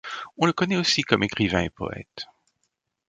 On le connaît aussi comme écrivain et poète.